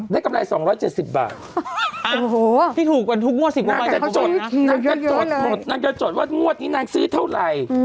ได้กำไร๒๗๐บาทที่ถูกเป็นทุกงวด๑๐ประมาณนี้นะนางจะจดว่างวดนี้นางซื้อเท่าไหร่